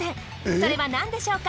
それは何でしょうか？